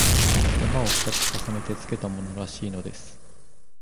「山」を二つ重ねてつけたものらしいのです